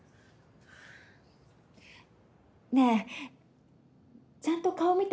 ねえちゃんと顔を見て話。